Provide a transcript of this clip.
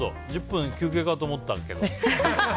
１０分休憩かと思ったんですけど。